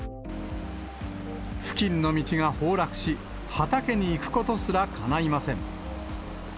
付近の道が崩落し、畑に行くことすらかないません。